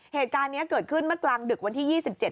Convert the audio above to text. เหตุการณ์เนี้ยเกิดขึ้นเมื่อกลางดึกวันที่ยี่สิบเจ็ด